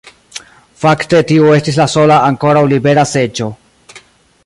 Fakte tiu estis la sola ankoraŭ libera seĝo.